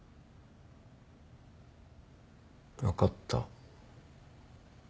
分かった。